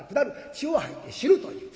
血を吐いて死ぬという。